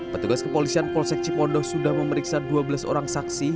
petugas kepolisian polsek cipondo sudah memeriksa dua belas orang saksi